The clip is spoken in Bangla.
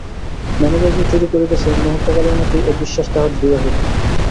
ম্যানেজার যে চুরি করিতেছে মুহূর্তকালের মধ্যেই এ বিশ্বাস তাহার দৃঢ় হইল।